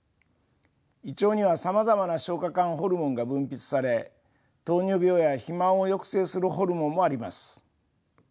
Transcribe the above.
胃腸にはさまざまな消化管ホルモンが分泌され糖尿病や肥満を抑制するホルモンもあります。